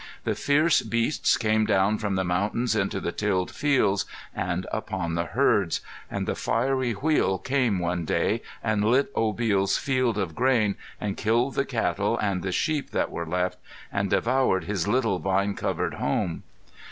The fierce beasts came down from the mountains into the tilled fields and upon the herds. And the fiery Wheel came one day and lit Obil's field of grain and killed the cattle and the sheep that were left, and devoured his little vine covered home.